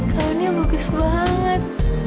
kawannya bagus banget